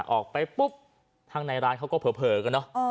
ออกไปปุ๊บทางในร้านเขาก็เผลอกันเนอะ